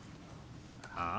ああ。